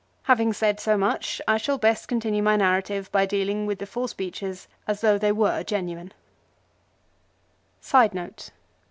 Having said so much I shall best continue my narrative by dealing with the four speeches as though they were genuine.